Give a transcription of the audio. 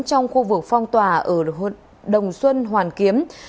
trong khu vực phong tỏa ở đồng xuân hoàn kiếm